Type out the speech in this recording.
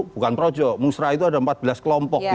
bukan projo musrah itu ada empat belas kelompok